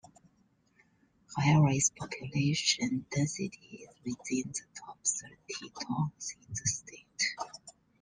However, its population density is within the top thirty towns in the state.